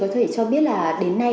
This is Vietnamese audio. đồng chí có thể cho biết là đến nay